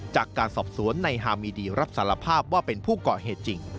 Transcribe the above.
จากการสอบสวนในฮามีดีรับสารภาพว่าเป็นผู้ก่อเหตุจริง